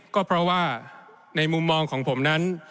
ก็เพราะว่าในมุมมองของผมนั้น